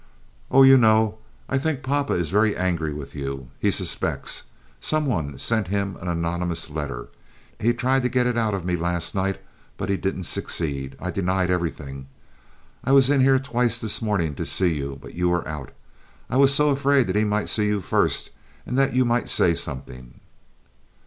"Oh, you know, I think papa is very angry with you. He suspects. Some one sent him an anonymous letter. He tried to get it out of me last night, but he didn't succeed. I denied everything. I was in here twice this morning to see you, but you were out. I was so afraid that he might see you first, and that you might say something."